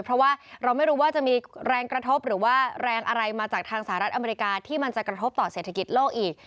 เพราะว่าเราไม่รู้ว่าจะมีแรงกระทบหรือว่าแรงอะไรมาจากทางสหรัฐอเมริกาที่มันจะกระทบต่อเศรษฐกิจโลกอีก